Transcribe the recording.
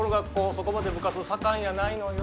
そこまで部活盛んやないのよ